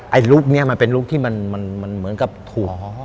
ลุคนี้มันเป็นลุคที่มันเหมือนกับถั่ว